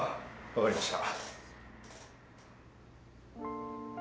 分かりました。